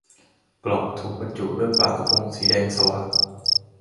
กล่องถูกบรรจุด้วยปลากะพงสีแดงสว่าง